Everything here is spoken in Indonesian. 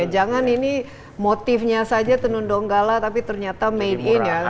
jangan ini motifnya saja tenun tiong tonggala tapi ternyata made in